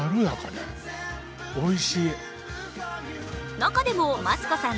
中でもマツコさん